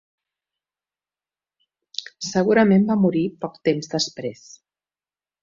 Segurament va morir poc temps després.